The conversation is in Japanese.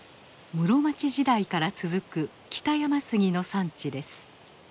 室町時代から続く北山杉の産地です。